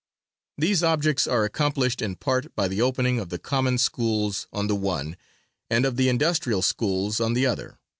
These objects are accomplished in part by the opening of the common schools on the one, and of the industrial schools on the other.